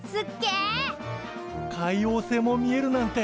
海王星も見えるなんて。